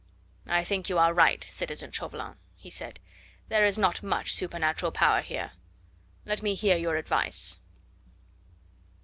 "I think you are right, citizen Chauvelin," he said; "there is not much supernatural power here. Let me hear your advice."